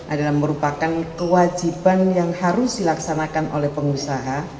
adalah merupakan kewajiban yang harus dilaksanakan oleh pengusaha